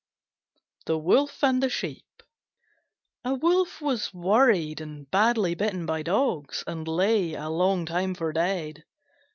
THE WOLF AND THE SHEEP A Wolf was worried and badly bitten by dogs, and lay a long time for dead.